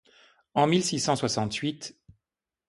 En mille six cent soixante-huit